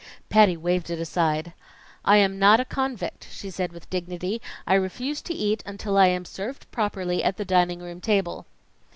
Patty waved it aside. "I am not a convict," she said with dignity. "I refuse to eat until I am served properly at the dining room table."